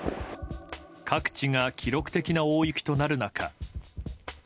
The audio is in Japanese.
各地が記録的な大雪となる中。